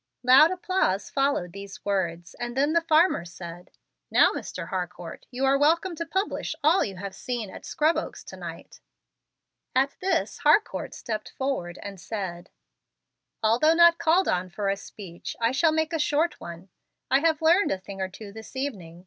Loud applause followed these words, and then the farmer said, "Now, Mr. Harcourt, you are welcome to publish all you have seen at Scrub Oaks to night." At this Harcourt stepped forward and said: "Although not called on for a speech, I shall make a short one. I have learned a thing or two this evening.